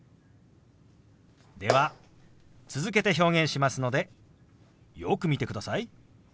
では続けて表現しますのでよく見てください。